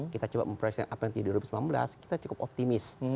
kita coba memproyeksi apbn dua ribu sembilan belas kita cukup optimis